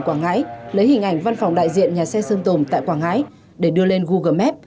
quảng ngãi lấy hình ảnh văn phòng đại diện nhà xe sơn tồn tại quảng ngãi để đưa lên google maps